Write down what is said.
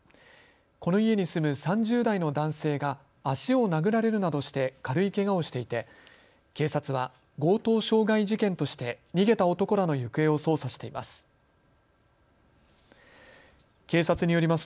この家に住む３０代の男性が足を殴られるなどして軽いけがをしていて警察は強盗傷害事件として逃げた男らの行方を捜査しています。